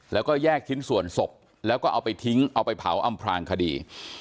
แล้วก็แยกชิ้นส่วนศพแล้วก็เอาไปทิ้งเอาไปเผาอำพลางคดี